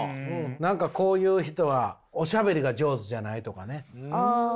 何かこういう人はおしゃべりが上手じゃないとかね。